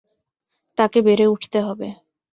তাকে বেড়ে উঠতে হবে।